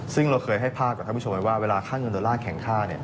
ซึ่งเราเคยให้ภาพกับท่านผู้ชมไว้ว่าเวลาค่าเงินดอลลาร์แข็งค่า